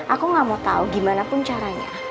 aku gak mau tahu gimana pun caranya